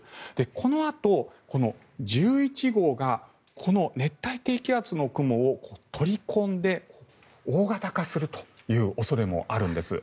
このあと、この１１号がこの熱帯低気圧の雲を取り込んで大型化するという恐れもあるんです。